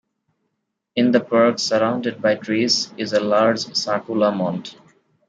In the park, surrounded by trees, is a large circular mound.